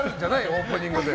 オープニングで。